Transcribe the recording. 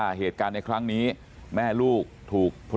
แล้วตามหายาดของแม่ลูกคู่นี้